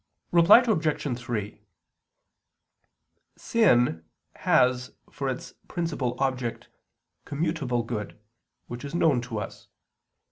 Reply Obj. 3: Sin has for its principal object commutable good, which is known to us.